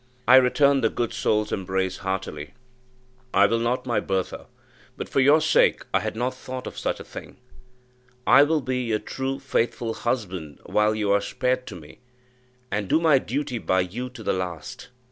I returned the good soul's embrace heartily. "I will not, my Bertha; but for your sake I had not thought of such a thing. I will be your true, faithful husband while you are spared to me, and do my duty by you to the last."